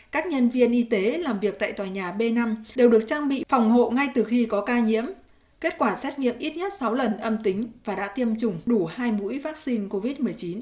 các nhân viên y tế làm việc tại tòa nhà b năm đều được trang bị phòng hộ ngay từ khi có ca nhiễm kết quả xét nghiệm ít nhất sáu lần âm tính và đã tiêm chủng đủ hai mũi vaccine covid một mươi chín